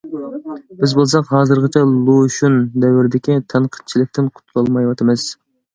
بىز بولساق ھازىرغىچە لۇشۈن دەۋرىدىكى تەنقىدچىلىكتىن قۇتۇلالمايۋاتىمىز.